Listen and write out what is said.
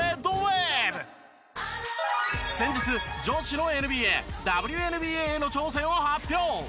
先日女子のＮＢＡＷＮＢＡへの挑戦を発表。